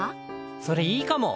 それ、いいかも！